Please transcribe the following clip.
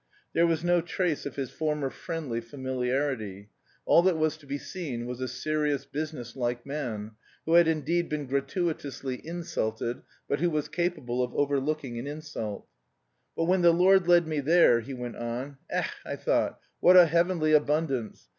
There was no trace of his former "friendly" familiarity. All that was to be seen was a serious, business like man, who had indeed been gratuitously insulted, but who was capable of overlooking an insult. "But when the Lord led me there," he went on, "ech, I thought what a heavenly abundance!